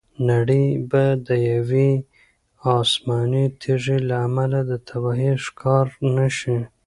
نړۍ به د یوې آسماني تیږې له امله د تباهۍ ښکار نه شي.